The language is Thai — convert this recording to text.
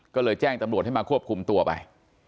ก็เลยแจ้งตำรวจให้มาควบคุมตัวไป